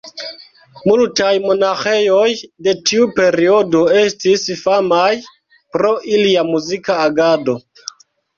Multaj monaĥejoj de tiu periodo estis famaj pro ilia muzika agado.